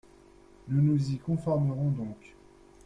Nous nous y conformerons donc.